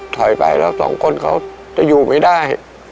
ถอยไปแล้วสองคนเขาจะอยู่ไม่ได้